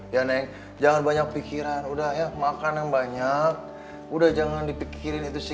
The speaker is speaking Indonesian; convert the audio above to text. yang jangan banyak pikiran udah ya makan yang banyak udah jangan dipikirin itu si